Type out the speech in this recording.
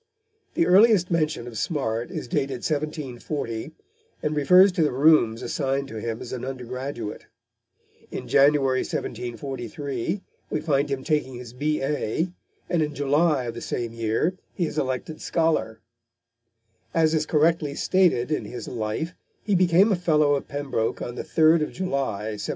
The earliest mention of Smart is dated 1740, and refers to the rooms assigned to him as an undergraduate. In January 1743, we find him taking his B.A., and in July of the same year he is elected scholar. As is correctly stated in his Life, he became a fellow of Pembroke on the 3rd of July 1745.